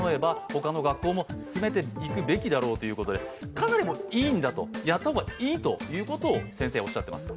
かなりいいんだとやった方がいいということを先生はおっしゃっています。